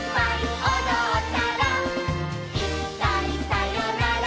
「いっかいさよなら